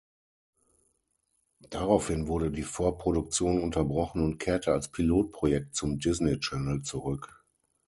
Daraufhin wurde die Vorproduktion unterbrochen und kehrte als Pilotprojekt zum Disney Channel zurück.